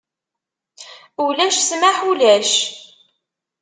Ulac ssmaḥ, ulac!